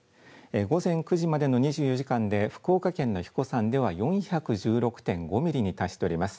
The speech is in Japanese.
午前９時までの２４時間で福岡県の英彦山では４１６．５ミリに達しております。